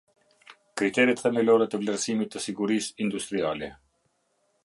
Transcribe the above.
Kriteret themelore të vlerësimit të sigurisë industriale.